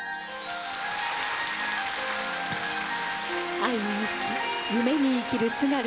愛に生き夢に生きる